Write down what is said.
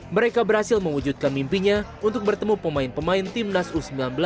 mereka berhasil mewujudkan mimpinya untuk bertemu pemain pemain timnas u sembilan belas